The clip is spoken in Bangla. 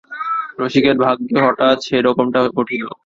রসিকের ভাগ্যে হঠাৎ সেইরকমটা ঘটিল।